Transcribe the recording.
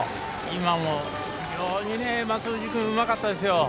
今も、非常に松藤君うまかったですよ。